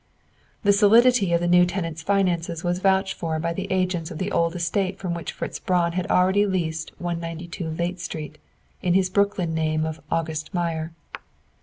The solidity of the new tenant's finances was vouched for by the agents of the old estate from whom Fritz Braun had already leased 192 Layte Street, in his Brooklyn name of "August Meyer."